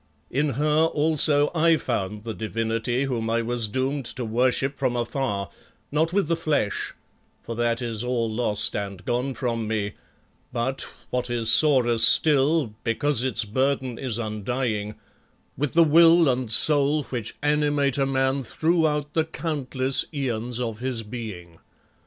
In her also I found the divinity whom I was doomed to worship from afar, not with the flesh, for that is all lost and gone from me, but, what is sorer still, because its burden is undying, with the will and soul which animate a man throughout the countless eons of his being.